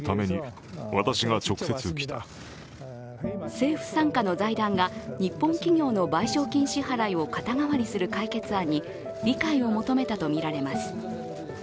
政府傘下の財団が日本企業の賠償金支払いを肩代わりする解決案に理解を求めたとみられます。